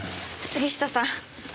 杉下さん。